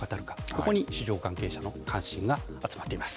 ここに市場関係者の関心が集まっています。